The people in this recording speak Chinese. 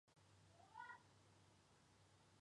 道光二十七年任内阁学士兼礼部侍郎。